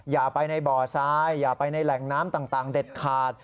อย่าไปในบ่อทรายอย่าไปในแหล่งน้ำต่างเด็ดขาด